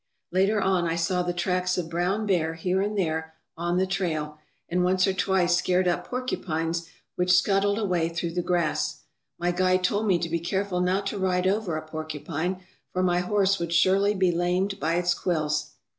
Later on I saw the tracks of brown bear here and there on the trail, and once or twice scared up porcupines which scuttled away through the grass. My guide told me to be careful not to ride over a porcupine, for my horse would surely be lamed by its quills.